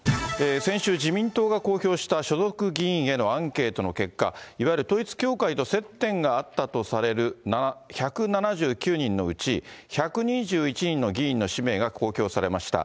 先週自民党が公表した所属議員へのアンケートの結果、いわゆる統一教会と接点があったとされる１７９人のうち、１２１人の議員の氏名が公表されました。